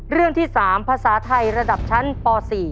เรื่องที่๓ภาษาไทยระดับชั้นป๔